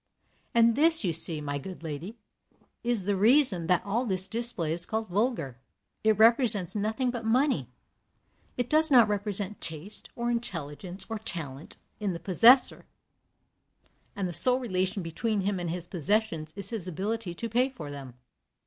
"And this, you see, my good lady, is the reason that all this display is called vulgar. It represents nothing but money. It does not represent taste, or intelligence, or talent, in the possessor, and the sole relation between him and his possessions is his ability to pay for them.